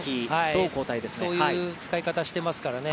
そういう使い方していますからね